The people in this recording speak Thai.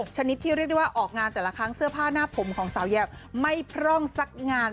ชนิดที่เรียกได้ว่าออกงานแต่ละครั้งเสื้อผ้าหน้าผมของสาวแยมไม่พร่องสักงาน